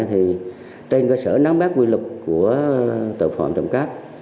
thì trên cơ sở nắm bát quy luật của tội phạm đồng cáp